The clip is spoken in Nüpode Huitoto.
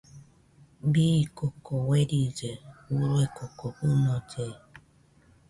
Bii koko uerilli urue koko fɨnolle.